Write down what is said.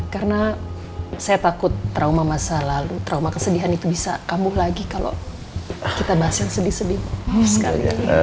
karena saya takut trauma masa lalu trauma kesedihan itu bisa kambuh lagi kalau kita bahas yang sedih sedih sekali